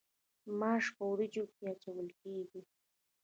ماش په وریجو کې اچول کیږي.